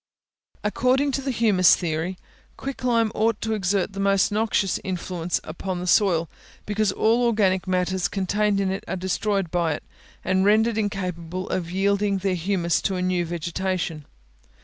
According to the humus theory, quick lime ought to exert the most noxious influence upon the soil, because all organic matters contained in it are destroyed by it, and rendered incapable of yielding their humus to a new vegetation.